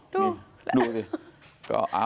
ดูดูสิ